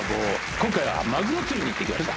今回はマグロ釣りに行ってきました。